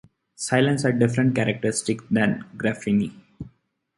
Silicene has different characteristics than graphene.